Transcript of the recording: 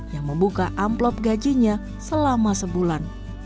yang membuka amplop gajinya selama sebulan